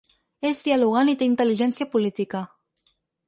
És dialogant i té intel·ligència política.